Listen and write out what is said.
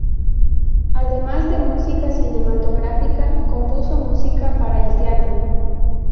Además de música cinematográfica, compuso música para el teatro.